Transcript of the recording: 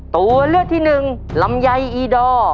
ตัวเลือดที่๑ลำไยอีด๋อ